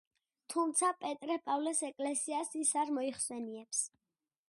თუმცა პეტრე-პავლეს ეკლესიას ის არ მოიხსენიებს.